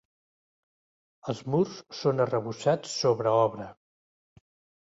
Els murs són arrebossats sobre obra.